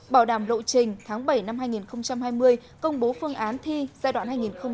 bảo đảm lộ trình tháng bảy năm hai nghìn hai mươi công bố phương án thi giai đoạn hai nghìn hai mươi một hai nghìn hai mươi năm